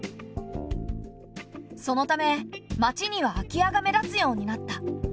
そのため町には空き家が目立つようになった。